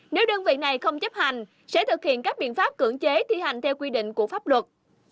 nếu đơn vị này không chấp hành sẽ thực hiện các biện pháp cưỡng chế thi hành theo quy định của pháp luật